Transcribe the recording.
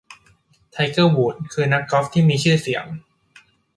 ไทเกอร์ วูดส์ คือนักกอล์ฟที่มีชื่อเสียง